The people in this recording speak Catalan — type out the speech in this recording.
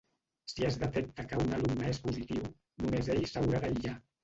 Si es detecta que un alumne és positiu, només ell s’haurà d’aïllar.